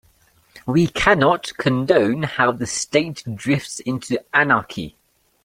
We cannot condone how the state drifts into anarchy.